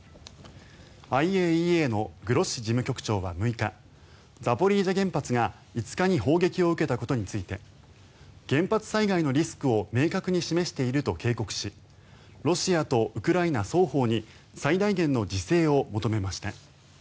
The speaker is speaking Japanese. ＩＡＥＡのグロッシ事務局長は６日ザポリージャ原発が５日に砲撃を受けたことについて原発災害のリスクを明確に示していると警告しロシアとウクライナ双方に最大限の自制を求めました。